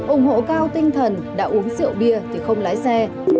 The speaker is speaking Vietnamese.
ủng hộ cao tinh thần đã uống rượu bia thì không lái xe